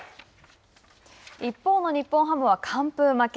一方の日本ハムは完封負け。